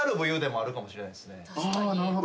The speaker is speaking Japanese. あなるほど。